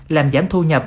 làm giảm thu nhập